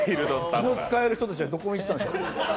気の使える人たちはどこに行ったんでしょう。